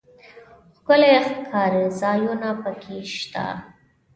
ښکلي ښکارځایونه پکښې شته.